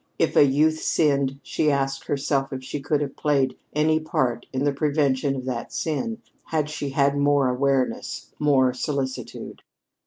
If a youth sinned, she asked herself if she could have played any part in the prevention of that sin had she had more awareness, more solicitude.